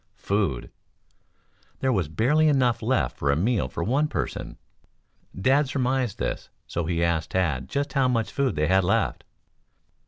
Food! There was barely enough left for a meal for one person. Dad surmised this, so he asked Tad just how much food they had left.